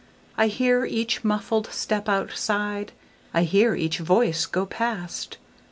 I hear each muffled step outside,I hear each voice go past.